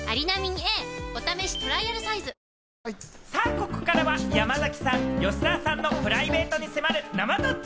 ここからは山崎さん、吉沢さんのプライベートに迫る生ドッチ？